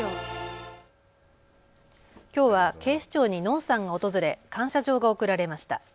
きょうは警視庁にのんさんが訪れ感謝状が贈られました。